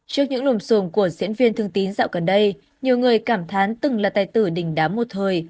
trước những lùm xùm của diễn viên thương tín dạo gần đây nhiều người cảm thán từng là tài tử đỉnh đám một thời